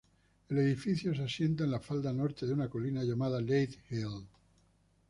El edificio se asienta en la falda norte de una colina llamada Leigh Hill.